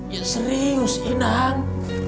ya serius inang